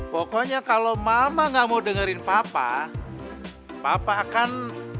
pokoknya kalau mama gak mau dengerin papa bapak akan